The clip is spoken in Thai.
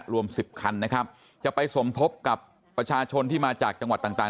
รวม๑๐คันนะครับจะไปสมทบกับประชาชนที่มาจากจังหวัดต่าง